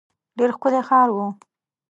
ډېر ښکلی ښار وو.